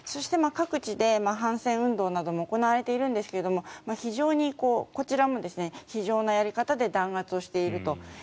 そして、各地で反戦運動なども行われているんですがこちらも非情なやり方で弾圧をしていると。